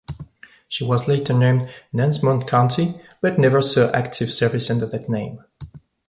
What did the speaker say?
She was later named "Nansemond County", but never saw active service under that name.